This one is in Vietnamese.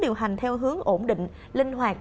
điều hành theo hướng ổn định linh hoạt